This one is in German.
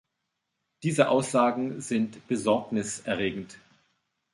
Diese Aussagen sind besorgniserregend.